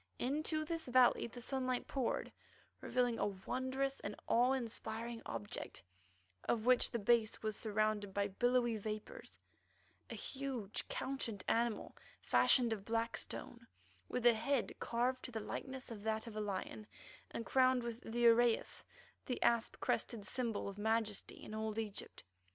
Into this valley the sunlight poured, revealing a wondrous and awe inspiring object of which the base was surrounded by billowy vapours, a huge, couchant animal fashioned of black stone, with a head carved to the likeness of that of a lion, and crowned with the uraeus, the asp crested symbol of majesty in old Egypt.